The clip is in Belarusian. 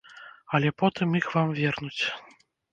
Але потым іх вам вернуць.